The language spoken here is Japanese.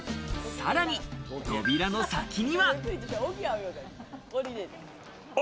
さらに、扉の先には。